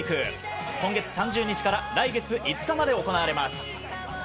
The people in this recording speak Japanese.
今月３０日から来月５日まで行われます。